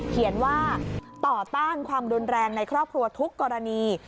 เขียนว่าต่อต้านความรุนแรงในครอบครัวทุกกรณี